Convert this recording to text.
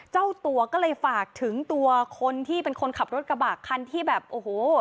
เจ้าตัวก็เลยฝากถึงตัวคนที่เป็นคนขับรถกระบะคันที่แบบโอ้โห